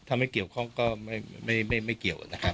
ถ้าไม่เกี่ยวข้องก็ไม่เกี่ยวนะครับ